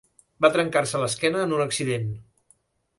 Va trencar-se l'esquena en un accident.